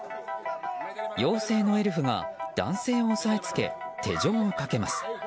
妖精のエルフが男性を押さえつけ手錠をかけます。